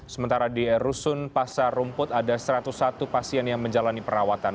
sementara di rusun pasar rumput ada satu ratus satu pasien yang menjalani perawatan